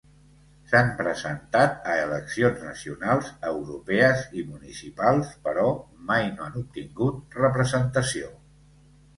S'han presentat a eleccions nacionals, europees i municipals però mai no han obtingut representació.